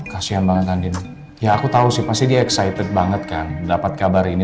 kasian banget kandin ya aku tahu sih pasti dia excited banget kan dapat kabar ini